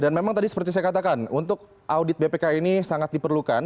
memang tadi seperti saya katakan untuk audit bpk ini sangat diperlukan